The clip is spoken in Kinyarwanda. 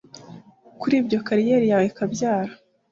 Kuri ibyo kariyeri yawe ikabyara